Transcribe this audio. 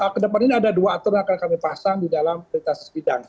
kedepan ini ada dua aturan yang akan kami pasang di dalam lintas sebidang